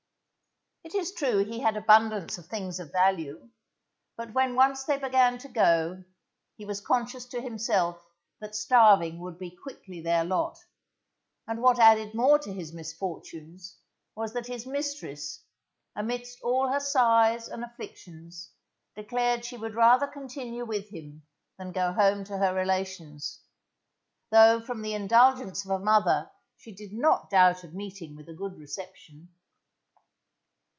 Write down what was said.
It is true he had abundance of things of value, but when once they began to go, he was conscious to himself that starving would be quickly their lot, and what added more to his misfortunes was that his mistress, amidst all her sighs and afflictions, declared she would rather continue with him than go home to her relations, though from the indulgence of a mother she did not doubt of meeting with a good reception.